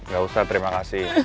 gak usah terima kasih